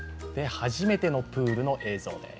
初めてのプールの映像です。